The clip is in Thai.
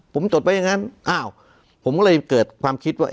ผมจดไว้อย่างนั้นอ้าวผมก็เลยเกิดความคิดว่า